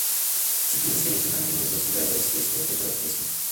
Si tienes que elegir al menos dos jugadores, este "error" es fijo.